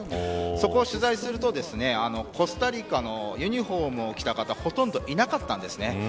そこを取材するとコスタリカのユニホームを着た方ほとんどいなかったんです。